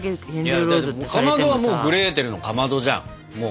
いやだってかまどはもう「グレーテルのかまど」じゃんもう。